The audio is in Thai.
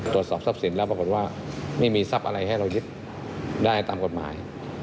ตรวจสอบทรัพย์สินแล้วปรากฏว่าไม่มีทรัพย์อะไรให้เรายึดได้ตามกฎหมาย